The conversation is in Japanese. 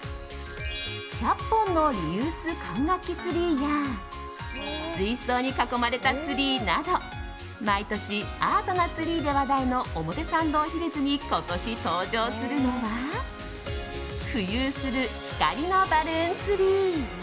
１００本のリユース管楽器ツリーや水槽に囲まれたツリーなど毎年アートなツリーで話題の表参道ヒルズに今年、登場するのは浮遊する光のバルーンツリー。